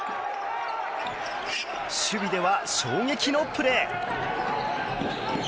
守備では衝撃のプレー。